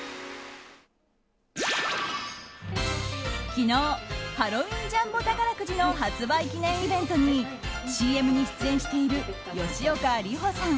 昨日ハロウィンジャンボ宝くじの発売記念イベントにＣＭに出演している吉岡里帆さん